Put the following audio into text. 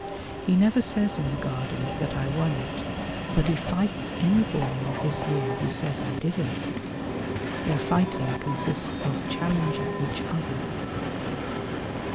He never says in the Gardens that I won it, but he fights any boy of his year who says I didn't. Their fighting consists of challenging each other.